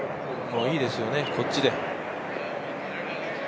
いいですよね、こっちで。